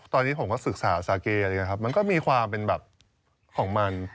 ตอนนี้ผมก็ศึกษาสาเกอะไรอย่างนี้ครับมันก็มีความเป็นแบบของมัน